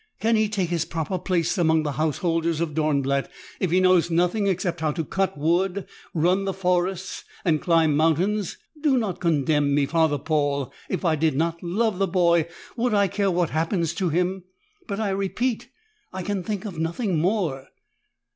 Can he take his proper place among the householders of Dornblatt if he knows nothing except how to cut wood, run the forests and climb mountains? Do not condemn me, Father Paul. If I did not love the boy, would I care what happens to him? But I repeat, I can think of nothing more."